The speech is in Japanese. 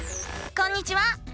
こんにちは！